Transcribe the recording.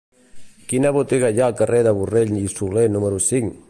Quina botiga hi ha al carrer de Borrell i Soler número cinc?